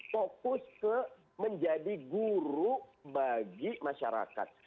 fokus ke menjadi guru bagi masyarakat